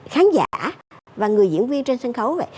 khán giả và người diễn viên trên sân khấu